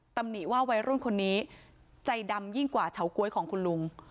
ตำหนิว่าวัยรุ่นคนนี้ใจดำยิ่งกว่าเฉาก๊วยของคุณลุง